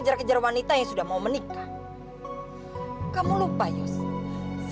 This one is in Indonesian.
apa bener lia tuh anaknya om yos